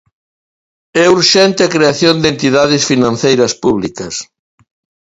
É urxente a creación de entidades financeiras públicas.